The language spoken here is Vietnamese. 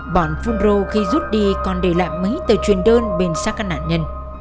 bản phun rô khi rút đi còn để lại mấy tờ truyền đơn bên xác các nạn nhân